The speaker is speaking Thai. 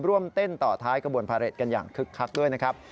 ร่วมเต้นต่อท้ายกระบวนพาเรทกันอย่างคึกคักด้วยนะครับ